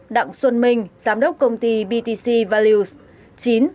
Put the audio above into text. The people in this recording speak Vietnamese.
hai đặng xuân minh giám đốc công ty btc values